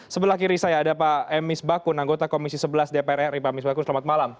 sebelah kiri saya ada pak emis bakun anggota komisi sebelas dpr ri pak misbakun selamat malam